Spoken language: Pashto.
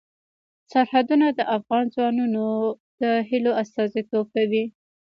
سرحدونه د افغان ځوانانو د هیلو استازیتوب کوي.